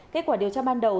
kết quả điều tra ban đầu